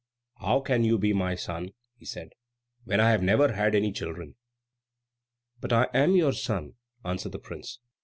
"How can you be my son," he said, "when I have never had any children?" "But I am your son," answered the prince.